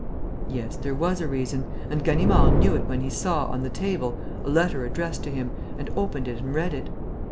Yes, there was a reason; and Ganimard knew it when he saw, on the table, a letter addressed to himself and opened it and read it.